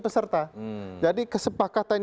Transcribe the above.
peserta jadi kesepakatan